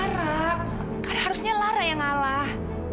lara kan harusnya lara yang ngalah